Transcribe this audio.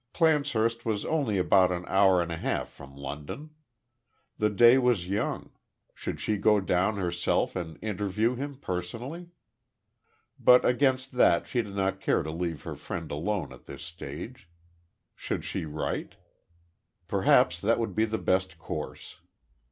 Clancehurst was only about an hour and a half from London. The day was young should she go down herself and interview him personally? But against that she did not care to leave her friend alone at this stage. Should she write? Perhaps that would be the best course.